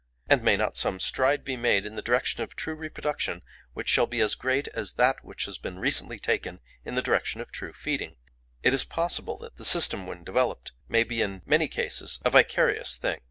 And may not some stride be made in the direction of true reproduction which shall be as great as that which has been recently taken in the direction of true feeding? "It is possible that the system when developed may be in many cases a vicarious thing.